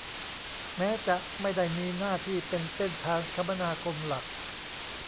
แม้จะไม่ได้มีหน้าที่เป็นเส้นทางคมนาคมหลัก